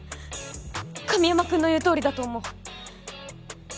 神山くんの言うとおりだと思う